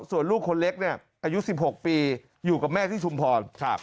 ส่วนลูกคนเล็กเนี่ยอายุ๑๖ปีอยู่กับแม่ที่ชุมพร